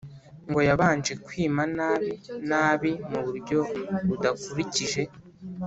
ngo yabanje kwima nabi nabi mu buryo budakurikije